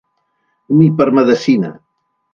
Ni per medecina.